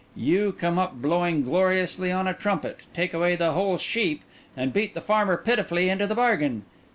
You come up blowing gloriously on a trumpet, take away the whole sheep, and beat the farmer pitifully into the bargain.